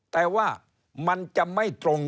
แต่ว่ามันจะไม่ตรง